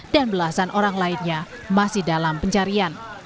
dan belasan orang lainnya masih dalam pencarian